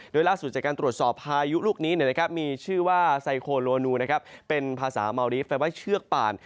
โดยล่าสุดจากการตรวจสอบพายุลูกนี้มีชื่อว่าไซโคโลนูเป็นภาษาเมารีฟแปลว่าเชือกป่าน